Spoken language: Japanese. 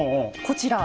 こちら。